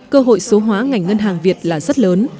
cơ hội số hóa ngành ngân hàng việt là rất lớn